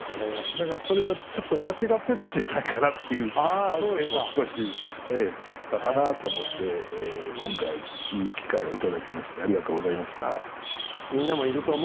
だからそれはちょっと間違ってたんじゃないかなっていう反省も少しあったかなと思って今回いい機会を頂きましてありがとうございました。